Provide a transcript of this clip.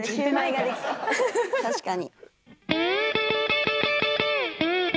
確かに。